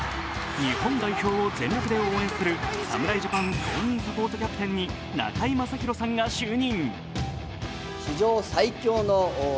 日本代表を全力で応援する侍ジャパン公認サポートキャプテンに中居正広さんが就任。